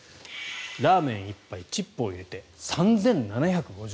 ラーメン１杯チップを入れて３７５０円。